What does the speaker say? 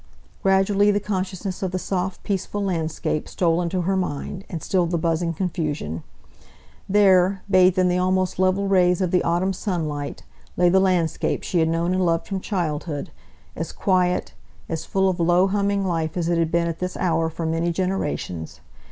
Gradually the consciousness of the soft peaceful landscape stole into her mind, and stilled the buzzing confusion. There, bathed in the almost level rays of the autumn sunlight, lay the landscape she had known and loved from childhood; as quiet, as full of low humming life as it had been at this hour for many generations.